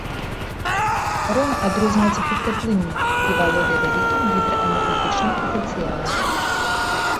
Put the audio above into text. Рона адрозніваецца хуткай плынню і валодае вялікім гідраэнергетычным патэнцыялам.